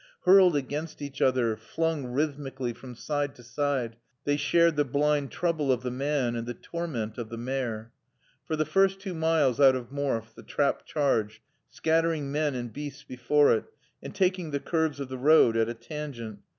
Hurled against each other, flung rhythmically from side to side, they shared the blind trouble of the man and the torment of the mare. For the first two miles out of Morfe the trap charged, scattering men and beasts before it and taking the curves of the road at a tangent.